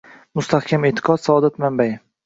Mustahkam e’tiqod – saodat manbai.